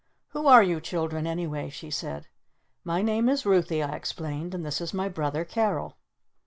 "Who are you children, anyway?" she said. "My name is Ruthy," I explained. "And this is my brother Carol."